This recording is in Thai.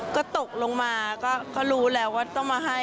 ก็ตกลงมาก็รู้แล้วว่าต้องมาให้